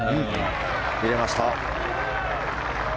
入れました。